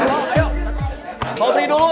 iya diberesin dulu